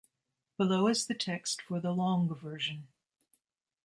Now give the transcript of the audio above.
Below is the text for the long version.